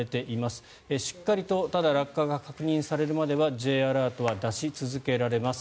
ただ、しっかりと落下が確認されるまではＪアラートは出し続けられます。